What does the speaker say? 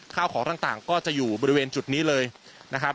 ข้าวของต่างก็จะอยู่บริเวณจุดนี้เลยนะครับ